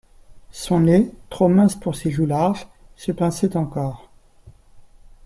Son nez, trop mince pour ses joues larges, se pinçait encore.